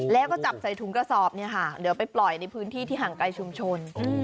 แล้วก็จับใส่ถุงกระสอบเนี่ยค่ะเดี๋ยวไปปล่อยในพื้นที่ที่ห่างไกลชุมชน